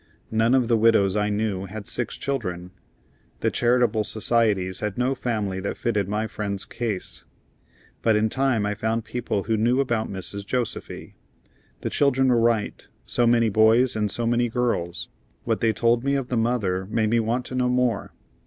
None of the widows I knew had six children. The charitable societies had no family that fitted my friend's case. But in time I found people who knew about Mrs. Josefy. The children were right so many boys and so many girls; what they told me of the mother made me want to know more.